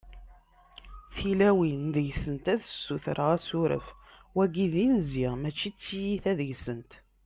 tilawin deg-sent ad ssutreɣ asuref, wagi d inzi mačči t-tiyita deg-sent